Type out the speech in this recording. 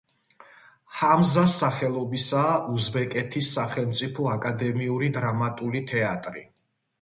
ჰამზას სახელობისაა უზბეკეთის სახელმწიფო აკადემიური დრამატული თეატრი.